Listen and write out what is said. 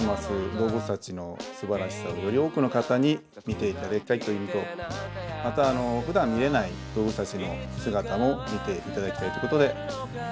動物たちのすばらしさをより多くの方に見ていただきたいというのとまたふだん見れない動物たちの姿も見ていただきたいってことで続けております。